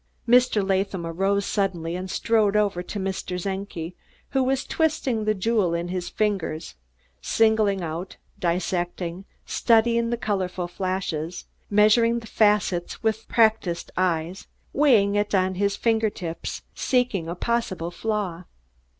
Mr. Latham arose suddenly and strode over to Mr. Czenki, who was twisting the jewel in his fingers, singling out, dissecting, studying the colorful flashes, measuring the facets with practised eyes, weighing it on his finger tips, seeking a possible flaw.